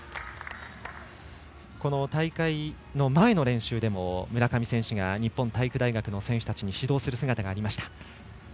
大会の前の練習でも村上選手が日本体育大学の選手に指導する姿がありました。